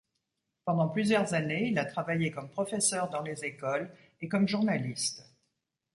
Pendant plusieurs années il a travaillé comme professeur dans les écoles et comme journaliste.